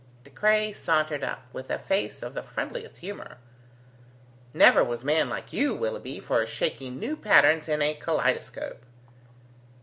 De Craye sauntered up, with a face of the friendliest humour: "Never was man like you, Willoughby, for shaking new patterns in a kaleidoscope."